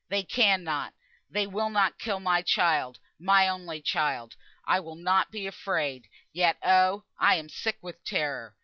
They cannot they will not kill my child, my only child. I will not be afeared. Yet, oh! I am so sick with terror.